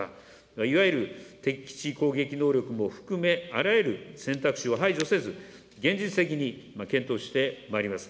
いわゆる敵基地攻撃能力も含め、あらゆる選択肢を排除せず、現実的に検討してまいります。